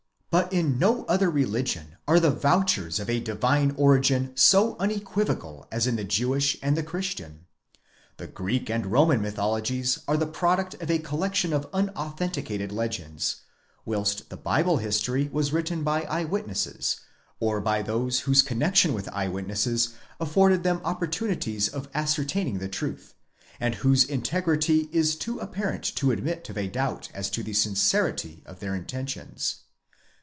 But in no other religion " it is urged " are the vouchers of a divine origin 80 unequivocal as in the Jewish and the Christian. 'The Greek and Roman mythologies are the product of a collection of unauthenticated legends, whilst the Bible history was written by eye witnesses ; or by those whose con nexion with eye witnesses afforded them opportunities of ascertaining the truth ; and whose integrity is too apparent to admit of a doubt as to the sincerity of their intentions."